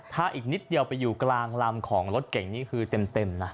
ถ้าอีกนิดเดียวไปอยู่กลางลำของรถเก่งนี่คือเต็มนะ